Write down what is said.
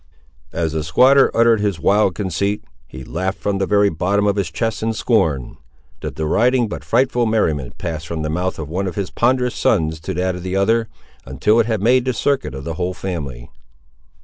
As the squatter uttered his wild conceit, he laughed from the very bottom of his chest, in scorn. The deriding but frightful merriment passed from the mouth of one of his ponderous sons to that of the other, until it had made the circuit of the whole family.